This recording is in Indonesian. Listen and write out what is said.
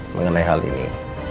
mengenai hal ini